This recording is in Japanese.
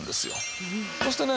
そしてね